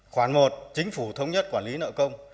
khoảng một chính phủ thống nhất quản lý nợ công